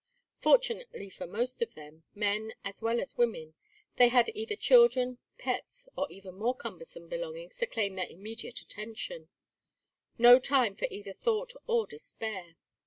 Fortunately for most of them, men as well as women, they had either children, pets, or even more cumbersome belongings to claim their immediate attention; no time for either thought or despair.